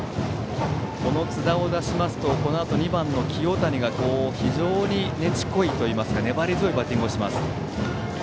この津田を出しますとこのあと、２番の清谷が非常に、ねちっこいといいますか粘り強いバッティングをします。